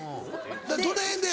どの辺で？